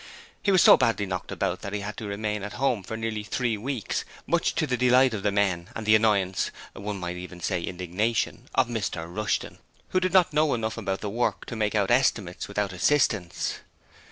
He was so badly knocked about that he had to remain at home for nearly three weeks, much to the delight of the men and the annoyance one might even say the indignation of Mr Rushton, who did not know enough about the work to make out estimates without assistance.